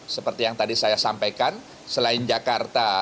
seperti yang tadi saya sampaikan selain jakarta